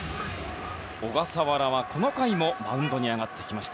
小笠原は、この回もマウンドに上がってきました。